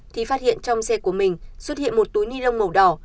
thì phát hiện trong xe của mình xuất hiện một túi ni lông màu đỏ